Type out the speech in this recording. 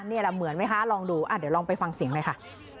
นี่แหละเหมือนไหมคะลองดูเดี๋ยวลองไปฟังเสียงหน่อยค่ะ